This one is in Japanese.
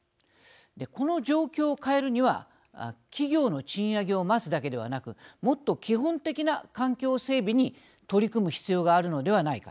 この状況を変えるには企業の賃上げを待つだけではなくもっと基本的な環境整備に取り組む必要があるのではないか。